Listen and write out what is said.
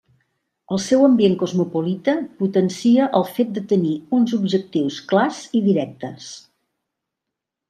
El seu ambient cosmopolita potencia el fet de tenir uns objectius clars i directes.